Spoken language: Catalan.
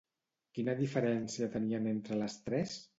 Quina diferència tenien entre les tres?